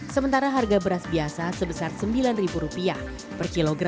sementara harga beras biasa sebesar rp sembilan